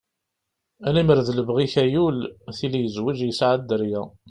Limer d libɣi-k ayul, tili yezweǧ yesɛa dderya.